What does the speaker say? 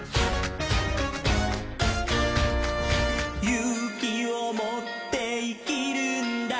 「ゆうきをもっていきるんだ」